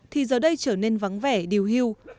thì giờ đây trở nên vắng vẻ điều hiu